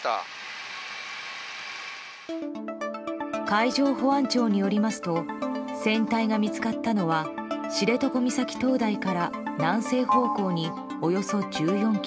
海上保安庁によりますと船体が見つかったのは知床岬灯台から南西方向におよそ１４ｋｍ。